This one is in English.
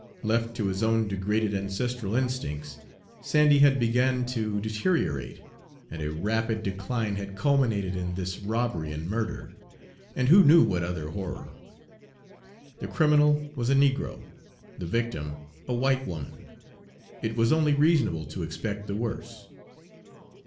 Left to his own degraded ancestral instincts, Sandy had begun to deteriorate, and a rapid decline had culminated in this robbery and murder, and who knew what other horror? The criminal was a negro, the victim a white woman; it was only reasonable to expect the worst.